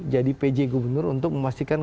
jadi pj gubernur untuk memastikan